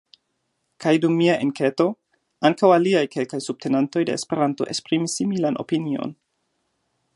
Kaj dum mia enketo, ankaŭ aliaj kelkaj subtenantoj de Esperanto esprimis similan opinion.